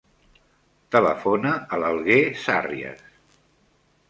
Telefona a l'Alguer Sarrias.